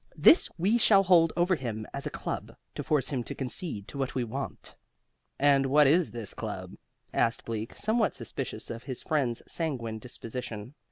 This we shall hold over him as a club, to force him to concede what we want." "And what is this club?" asked Bleak, somewhat suspicious of his friend's sanguine disposition.